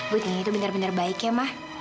butini tuh bener bener baik ya ma